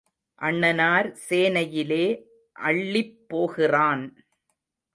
அண்ணனார் சேனையிலே அள்ளிப் போகிறான்.